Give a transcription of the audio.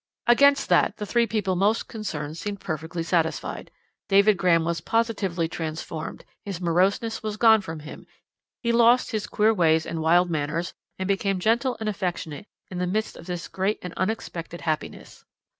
"Against that the three people most concerned seemed perfectly satisfied. David Graham was positively transformed; his moroseness was gone from him, he lost his queer ways and wild manners, and became gentle and affectionate in the midst of this great and unexpected happiness.